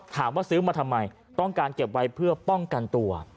ซื้อมาทำไมต้องการเก็บไว้เพื่อป้องกันตัว